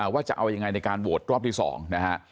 ว่าจะเอายังไงในการโหวตรอบที่๒นะฮะ